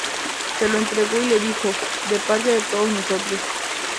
Se lo entregó y le dijo: "De parte de todos nosotros".